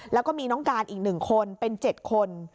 แล้วก็มีน้องการอีก๑คนเป็น๗คน